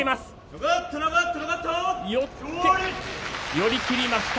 寄り切りました。